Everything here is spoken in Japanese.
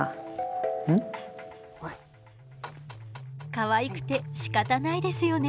かわいくてしかたないですよね。